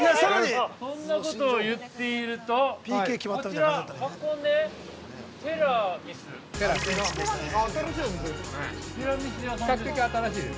◆そんなことを言っているとこちら、箱根てゑらみす。